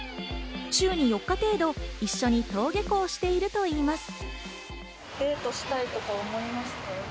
週に４日程度、一緒に登下校しているといいます。